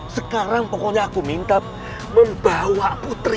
sekarang pokoknya aku minta membawa putri